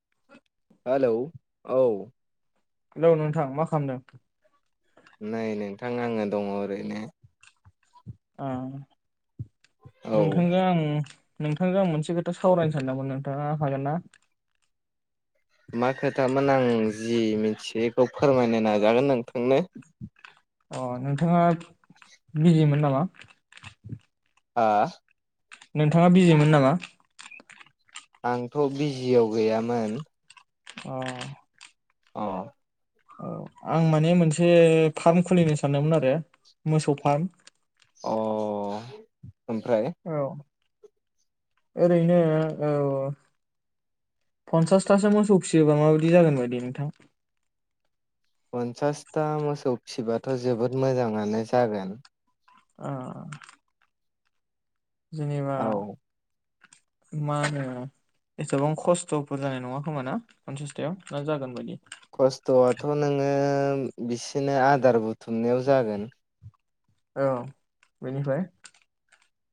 [inaudible] Hello औ hello नोंथां मा खालामदों? नै नोंथां आङो दङ ओरैनो आ औ नोंथांजों आं नोंथांजों आं मोनसे खोथा सावरायनो सानदोंमोन नोंथाङा हागोन ना? मा खोथामोन आं जि मिथियो बेखौ फोरमायनो नाजागोन नोंथांनो अ नोंथाङा बिजिमोन नामा? हा? नोंथाङा बिजिमोन नामा? आंथ' बिजियाव गैयामोन। अ' अ' औ आं माने मोनसे फार्म खुलिनो सानदोंमोन आरो मोसौ फार्म अ' ओमफ्राय? औ ओरैनो औ औ पन्सासथासो मोसौ फिसियोबा माबायदि जागोन बायदि नोंथां? पन्सासथा मोसौ फिसिबाथ' जोबोद मोजाङानो जागोन। अ' जेनेबा औ मा होनो एसेबां खस्थ'फोर जानाय नङा खोमा ना पनसासथायाव ना जागोन बायदि? बिसिनो आदार बुथुमनायाव जागोन। औ बेनिफ्राय?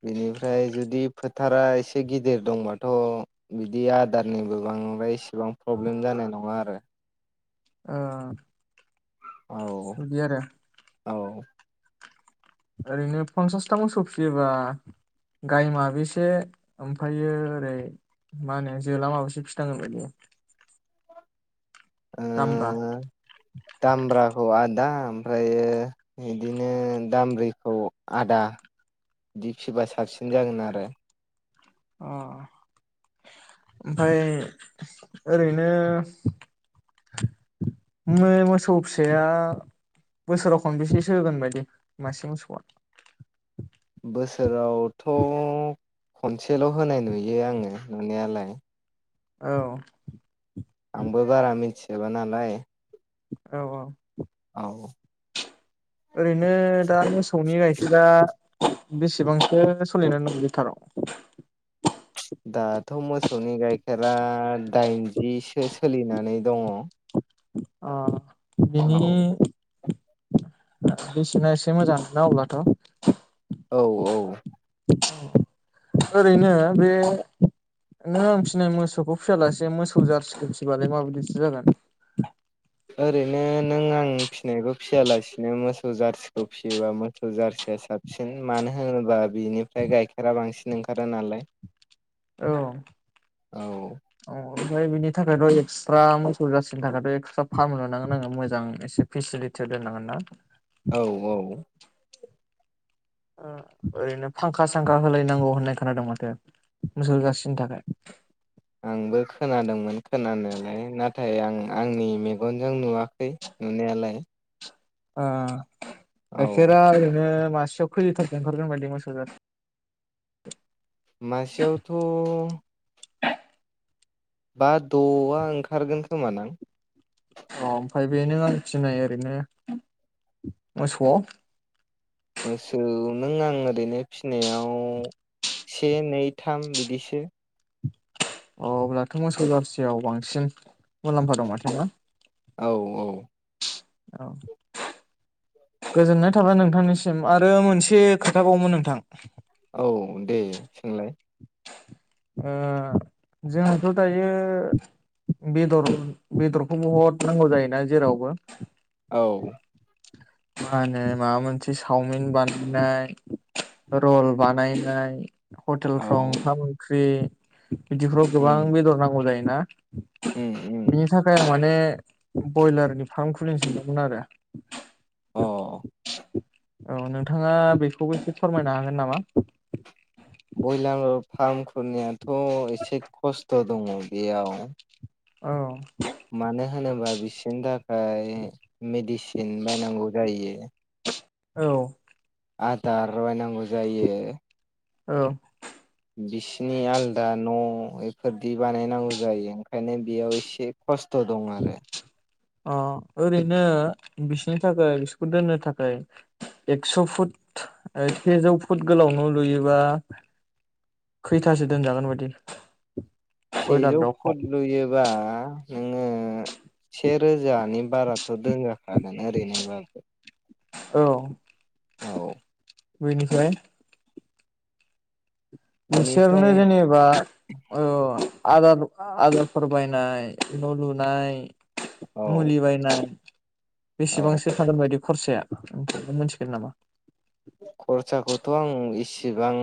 बिनिफ्राय जुदि फोथारा एसे गिदिर दंबाथ' बिदि आदारनिबो बांद्राय एसे सेबां प्रब्लेम जानाय नङा आरो। ओ [unintelligible] औ बिदि आरो औ ओरैनो फन्सासथा मोसौ फिसियोबा गाइ माबेसे ओमफायो ओरै मा होनो जोला माबसे फिसिनांगोन बदि ओ दामब्राखौ आ दा ओमफ्रायो बिदिनो दामब्रिखौ आदा बिदि फिसिबा साबसिन जागोन आरो अ ओमफ्राय ओरैनो म मोसौ फिसाया बोसोराव खनबेसेसो होगोन बायदि मासे मोसौआ बोसो आवथ' खनसेल' होनाय नुयो आङो नुनायालाय औ जोबा नालाय औ औ औ ओरैनो दा मोसौनि गाइखेरा बेसेबांसो सोलिनानै दङ लिटाराव दााथ' मज मोसौनि गाइखेरा दाइनजिसो सोलिनानै दङ अ बेैनि बेसेना एसे मोजांना अब्लाथ' औ औ ओरैनो बे नों आं फिनाय मोसौखौ फियालासे मोसौ जारसिखौ फिबालाय माबायदिसो जागोन ओरैनो नों आं फिसिनायखौ फिसियालासिनो मोजां मोसौ जारसिखौ फिसियोबा मोसौ जारसिया साबसिन मानो होनोबा बिनिफ्राय गाइखेरा बांसिन ओंखारो नालाय औ औ औ ओमफ्राय बिनि थाखायथ' एक्सट्रा मोसौ जासिनो थाखायथ' एक्सट्रा फार्म लुनांगोन आङो मोजां एसे फेसिलिटि दोननांगोन ना औ औ ओरैनो फांखा सांखा होलायनांगौ होननाय खोनादों माथो मोसौगासिनि थाखाय आंबो खोनादोंमोन खोनानायालाय नाथाय आं आंनि मेगनजों नुवाखै नुनायालाय अ गाइखेर औ ओरैनो मासेयाव खै लिथारसो ओंखारगोन बादि मोसौ जारसि मसेयावथ' बा द'आ ओंखारगोन खोमा आं औ ओमफ्राय बेनो आं फिनाय ओरैनो मोसौआव मोसौ नों आं ओरैनो फिसिनायाव से नै थाम बिदिसो अ अब्लाथ' मोसौ बारसियाव बांसिन मुलाम्फा दं माथो ना औ औ औ गोजोननाय थाबाय नोंथांनिसिम आरो मोनसे खोथााबावोन नोंथां। औ दे सोंलाय ओ जोंथ' दायो बेदर बेदरखौ बहुद नांगौ जायोना जेरावबो औ मा होनो माबा मोनसे चावमिन बानायनाय रल बानायनाय औ टेलफ्राव ओंखाम ओंख बे बिदिफ्राव गोबां उम बेदर नांगौ जायो। ना उम उम बिनि थाखाय माने बयलारनि फार्म खुलिनो सानदोंमोन आरो [inaudible] अ औ नोंथाङा बेखौबो एसे फोरमायनो हागोन नामा? ब्रयलार फारम खुलिनाया थ' एसे खस्थ खस्थ' दङ बेयाव औ मानो होनोबा बिसोरनि थाखाय मेडिसिन बायनांगौ जायो औ आदार बायनांगौ जायो। औ बिसिनि आलदा न' बेफोरदि बानायनांगौ जायो ओंखायनो बेयाव इसे खस्थ' दं आरो। अ ओरैनो बिसनि थाखाय बिसोरखौ दोननो थाखाय एक्स' फुट सेजौ फुट गोलाव न लुयोबा खैथासो दोनजागोन बायदि? बयलार सेजौ दाउखौ फुद लुयोबा नोङो से रोजानि बाराथ' दोनजाखागोन ओरैनोबाबो। औ औ बेयनिफ्राय नोंसोरनो बिनिफ्राय जेनेबा आदार आदारफोर बायनाय न' लुनाय औ मुलि बायनाय औ बेसेबांसो थांगोन बायदि? खरसाया मोनथिगोन नामा? खरसाखौथ' आं इसिबां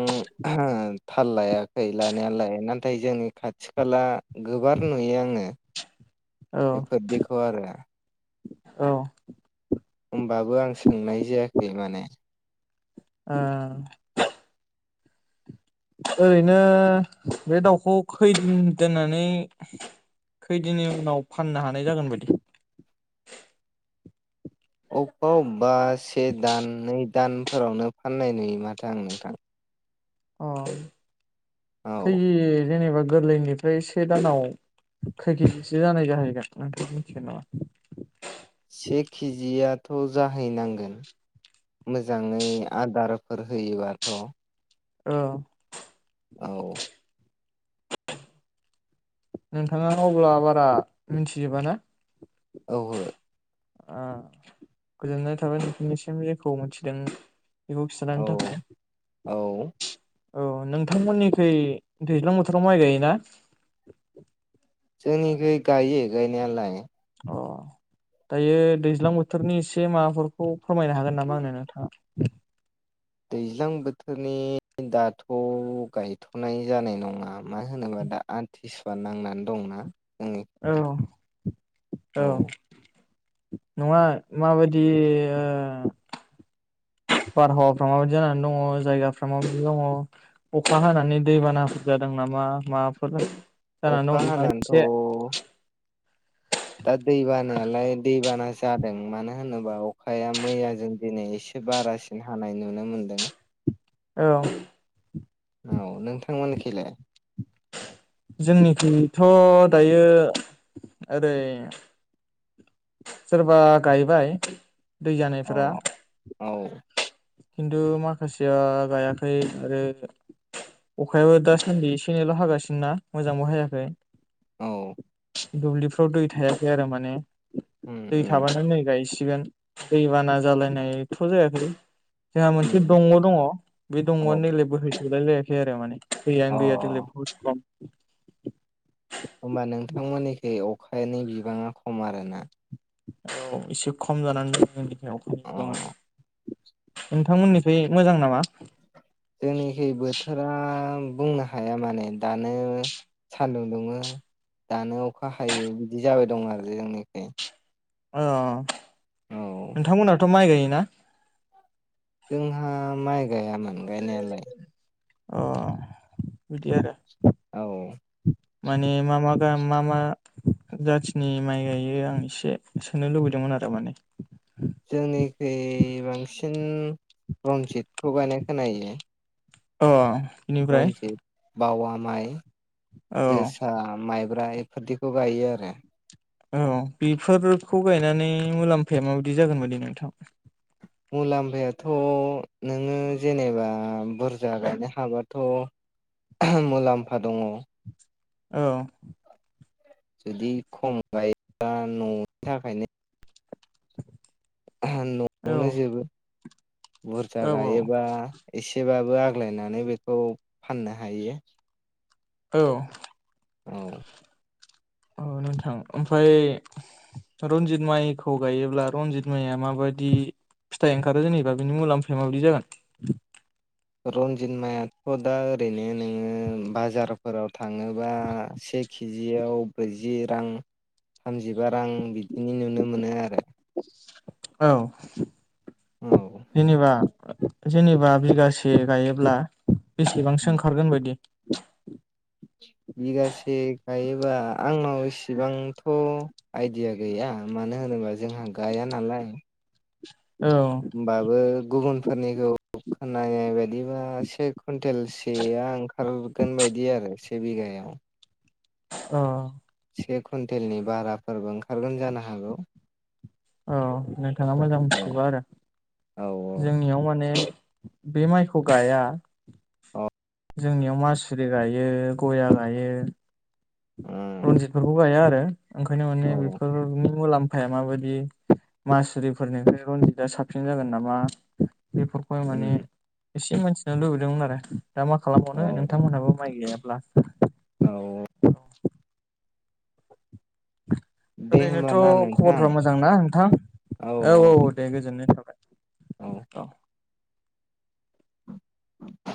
थाल लायाखै लानायालाय नाथाय जोंनि खाथि खाला गोबार नुयो आङो औ बेफोरदिखौ आरो औ होमबाबो आं सोंनाय जायाखै माने ओ ओरैनो बे दाउखौ खैदिन दोननानै खैदिननि उनाव फाननो हानाय जागोन बायदि [unintelligible] से दान नै दान फोरावनो फाननाय नुयो माथो आं नोंथां औ खै औ जेनेबा गोरलैनिफ्राय से दानाव खै खैदिनसो जानाय जाहैगोन नोंथाङा मिथिगोन नामा से खिजिया थ' जाहैनांगोन मोजाङै आदारफोर होयोबाथ' औ औ नोंथाङा अब्ला बारा मिथिजोबा ना औहो ओ गोजोननाय थाबाय नोंथांनिसिम जेखौ मोनथिदों बेखौ औ खिथानायनि थाखाय औ औ नोंथांमोननिखै दैज्लां बोथोराव माइ गायोना जोंनिखै गायो गायनायालाय अ दायो दैज्लां बोथोरनि एसे माबाफोरखौ फोरमायनो हागोन नामा आंनो नोंथाङा दैज्लां बोथोरनि दाथ' गायथ'नाय जानाय नङा मानो होनोबा दा आमटिसुवआ नांनानै दंना जोंनि औ औ नङा माबादि ओ बारहावाफ्रा माबायदि जानानै दङ जायगाफ्रा माबायदि दङ अखा हानानै दैबानाफोर जादों नामा माबाफोर जानानै अखा दं नामा हानाथ' एसे दा दै बानायालाय दै बाना जादों मानो होनोबा अखाया मैयाजों दिनै एसे बारासिन हानाय नुनो मोनदों औ औ नों [unintelligible] जोंनिखिथ' दायो ओरै सोरबा गायबाय दै अ जानायफोरा औ खिन्थु माखासेया गायाखै आरो अखायाबो दासासान्दि एसे एनैल हागासिनोना मोजांबो हायाखै औ दुब्लिफ्राव दै थायाखै आरो माने उम दै उम थाबानो नै गायस गोन दैबाना जालायनायथ जायाखै। जाहा मोनसे उम दंग दङ बे औ दंगयानो नैलै बोहैयो। [unintelligible] खै आरो माने अ दैयानो गैया देग्लाय बहुत खम। होमबा नोंथांमोनिखै अखानि बिबाङा खम आरोना? औ एसे खम जानानै दं जों अखानि बिबांया। अ नोंथांमोनिखै मोजां नामा? जोंनिखै बोथोरा बुंनो हाया माने दानो सानदुं दुङो दानो अखा हायो बिदि जाबाय दं आरो जोंनिखै। अ औ नोंथां मोनाथ माइ गायोना? जोंहा माइ गायामोन गायनायालाय। अ बिदि आरो। औ। माने मा मा मा मा जाथिनि माय गायो आं एसे सोंनो लुबैदोंमोन आरो माने। जोंनिखै बांसिन रनजितखौ गायनाय खोनायो। अ इनिफ्राय। बावया माय जोसा माय ब्रा इफोरदिखौ गायो आरो। औ बेफोरखौ गायनानै मुलाम्फाया मा बायदि जागोन बादि नोंथां? मुलाम्फायाथ नोङो जेनेबा बुरजा गायनो हाबाथ मुलाम्फा दङ। औ जुदि खम गायोब्ला ननि थाखायनो। औ नयावनो जोबो। बुरजा औ गायोबा एसेबाब बो आग्लायनानै बेखौ फाननो हायो। औ औ अ नोंथां ओमफ्राय रनजित माइखौ गायोब्ला रनजित माइया माबायदि फिथाइ ओंखारो जेनेबा बिनि मुलाम्फाया माबायदि जागोन? रनजित मायाथ दा ओरैनो नोङो बाजारफोराव थाङोबा से केजियाव ब्रैजि रां थामजिबा रां बिदिनि नुनो मोनो आरो। औ औ जेनेबा जेनेबा बिगासे गायोब्ला। बेसेबांसो ओंखारगोन बायदि। बिगासे गायोबा आंनाव इसेबांथ आइडिया गैया मानो होनोबा जोंहा गाया नालाय। औ होनबाबो गुबुनफोरनिखौ खोनानाय बायदिबासो कुन्टेलसेआ ओंखारगोन बायदि आरो बे बिगा आव अ से कुइन्टेलनि बाराफोरबो ओंखारगोन जानो हागौ औ नोंथाङा मोजां औ मिथिजोबा आरो औ जोंनियाव माने बे माइखौ गाया औ जोंनियाव मासुरि गायो गया गायो रनजितखौ गाया आरो ओंखायनो औ माने बेफोरनि मुलाम फाया माबायदि मासुरिफोरनिफ्राय रनजितआ साबसिन जागोन नामा बेफोरखौ माने से मानथिनो लुुबैदोंमोन आरो। दा मा खालामबावनो औ नोंथांमोनहाबो माइ गाया [unintelligible] औ दे ओरैनोथ' होमबा ना नोंथां खबरफोरा मोजांना नोंथां औ औ दे गोजोन्नाय थाबाय औ। [inaudible]